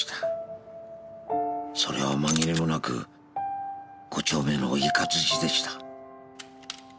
それは紛れもなく５丁目のイカズチでした。